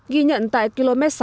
ghi nhận tại km sáu